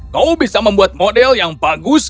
kau bisa membuat model yang bagus